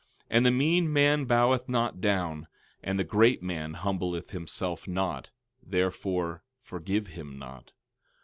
12:9 And the mean man boweth not down, and the great man humbleth himself not, therefore, forgive him not.